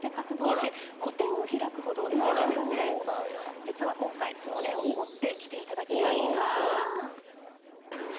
実は今回その絵を持ってきていただきました。